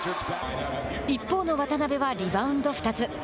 一方の渡邊はリバウンド２つ。